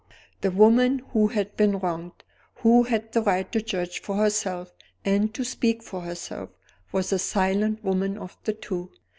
The woman who had been wronged who had the right to judge for herself, and to speak for herself was the silent woman of the two!